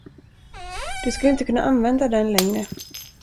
Du skulle inte kunna använda den längre.